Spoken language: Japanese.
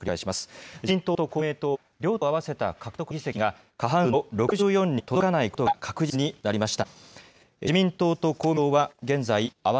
自民党と公明党は両党合わせた獲得議席が過半数の６４に届かないことが確実になりました。